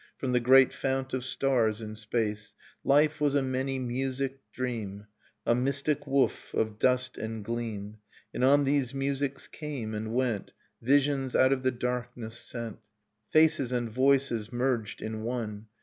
From the great fount of stars in space ... Life was a many musicked dream>, A mystic woof of dust and gleam. And on these musics came and went Visions out of the darkness sent. Faces and voices merged in one.